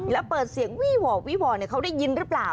แล้วเปิดเสียงวี่ห่อเขาได้ยินหรือเปล่า